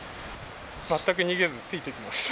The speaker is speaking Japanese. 全く逃げずついてきました。